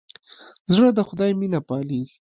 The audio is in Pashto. زړه د خدای مینه پالي.